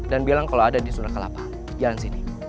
dan bilang kalau ada di sunda kelapa jalan sini